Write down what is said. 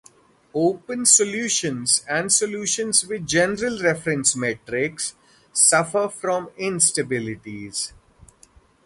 Open solutions and solutions with general reference metrics suffer from instabilities.